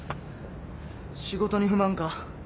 仕事に不満か？